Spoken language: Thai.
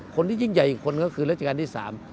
คนที่ยิ่งใหญ่อีกคนก็คือรัชการที่สาม